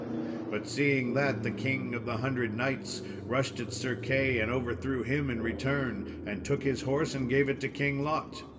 But seeing that, the King of the Hundred Knights rushed at Sir Key and overthrew him in return, and took his horse and gave it to King Lot.